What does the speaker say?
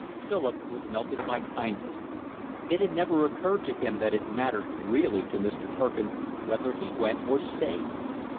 Philip was melted by kindness; it had never occurred to him that it mattered really to Mr. Perkins whether he went or stayed.